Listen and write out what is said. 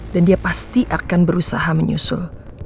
dan dia pasti akan berusaha menyusul